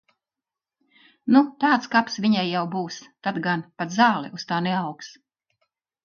Nu tāds kaps viņai jau būs, tad gan. Pat zāle uz tā neaugs.